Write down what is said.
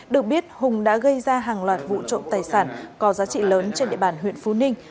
được biết hùng đã gây ra hàng loạt vụ trộm tài sản có giá trị lớn trên địa bàn huyện phú ninh